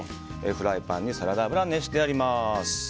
フライパンにサラダ油が熱してあります。